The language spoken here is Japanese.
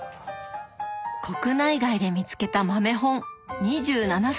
国内外で見つけた豆本２７冊！